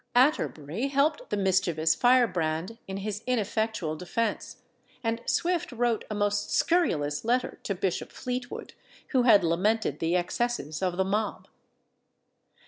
Atterbury helped the mischievous firebrand in his ineffectual defence, and Swift wrote a most scurrilous letter to Bishop Fleetwood, who had lamented the excesses of the mob.